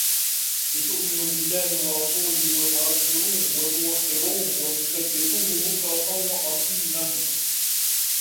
لتؤمنوا بالله ورسوله وتعزروه وتوقروه وتسبحوه بكرة وأصيلا